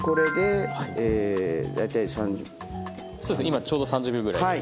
今ちょうど３０秒ぐらいです。